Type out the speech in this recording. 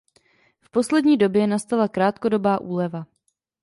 V poslední době nastala krátkodobá úleva.